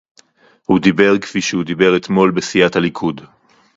הוא דיבר כפי שהוא דיבר אתמול בסיעת הליכוד